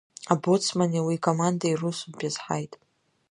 Абоцмани уи икомандеи русутә иазҳаит.